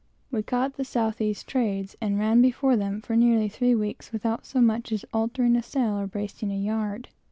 We caught the south east trades, and run before them for nearly three weeks, without so much as altering a sail or bracing a yard.